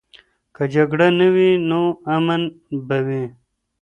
که جګړه نه وي، نو امن به وي.